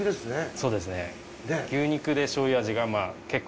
そうですね。